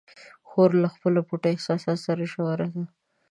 خور له خپلو پټو احساساتو سره ژوره ده.